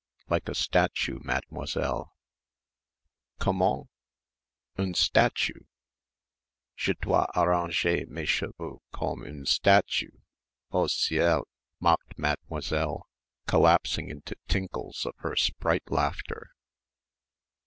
"Like a statue, Mademoiselle." "Comment! Une statue! Je dois arranger mes cheveux comme une statue? Oh, ciel!" mocked Mademoiselle, collapsing into tinkles of her sprite laughter....